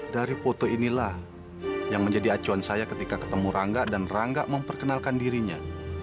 dari foto inilah yang menjadi acuan saya ketika ketemu rangga dan rangga memperkenalkan dirinya